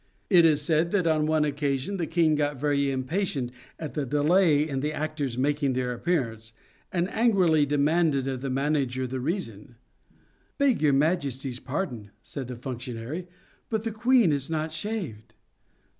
It is said that on one occasion the King got very impatient at the delay in the actors making their appearance, and angrily demanded of the manager the reason. " Beg your Majesty's pardon," said that func tionary, " but the queen is not shaved."